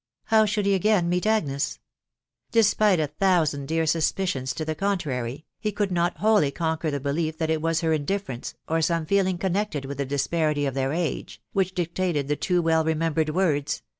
How should he again meet Agnes ?..._ Pesnite a thousand dear suspicions to the contrary, he could not whoflj conquer the belief that it was her indifference, or some feeling connected with the disparity of their age,, whieh dictated the too well remembered words.